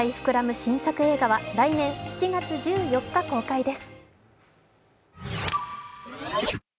新作映画は来年７月１４日公開です。